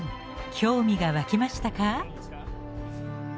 興味が湧きましたか？